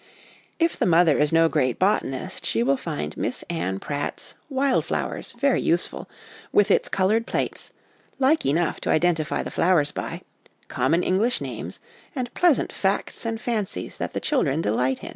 If the mother is no great botanist, she will find Miss Ann Pratt's Wild Flowers 1 very useful, with its coloured plates, like enough to identify the flowers by, common English names, and pleasant facts and fancies that the children delight in.